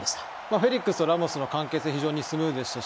フェリックスとラモスの関係性が非常にスムーズでしたし